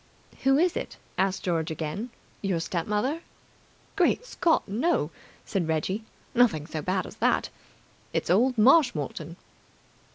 "Who is it?" asked George again. "Your step mother?" "Great Scott, no!" said Reggie. "Nothing so bad as that. It's old Marshmoreton."